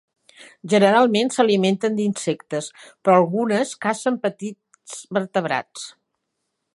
Generalment s'alimenten d'insectes, però algunes cacen petits vertebrats.